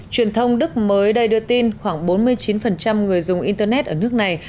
truyền thông đức mới đây đưa tin khoảng bốn mươi chín người dùng internet ở nước này